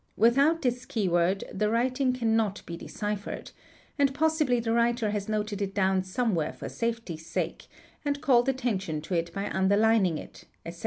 Without this key word the writing cannot be deciphered, and possibly the writer has noted it down somewhere for safety's sake and called attention to it by underlining it, etc.